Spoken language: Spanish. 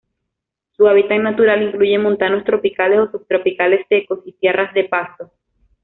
Su hábitat natural incluye montanos tropicales o subtropicales secos y tierras de pastos.